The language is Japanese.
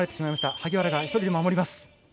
萩原が１人で守ります。